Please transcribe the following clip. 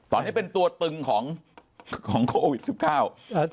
ตอนนี้เป็นตัวตึงของโควิด๑๙